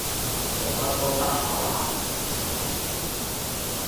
做乜都得下話？